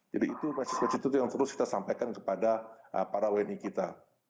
jadi itu yang harus kita sampaikan kepada para wni kita